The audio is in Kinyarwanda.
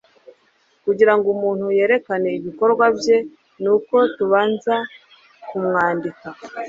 kugirango umuntu yerekane ibikorwa bye nuko tubanza kumwandika